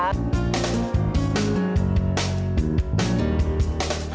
อันนี้ก็จะเป็นชุดแบบนี้ค่ะ